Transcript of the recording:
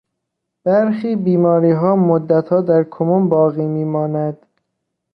برخی بیماریها مدتها در کمون باقی میماند.